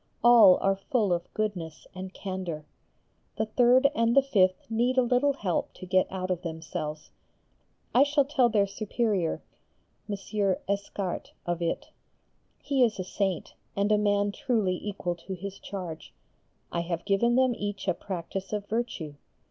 All are full of goodness and candour. The third and the fifth need a little help to get out of themselves. I shall tell their Superior, M. Escarts, of it. He is a Saint, and a man truly equal to his charge. I have given them each a practice of virtue.